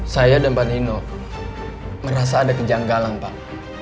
saya dan bang nino merasa ada kejanggalan pak